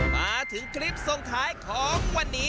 มาถึงคลิปส่งท้ายของวันนี้